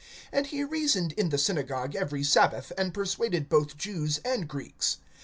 (4)And he reasoned in the synagogue every sabbath, and persuaded both Jews and Greeks.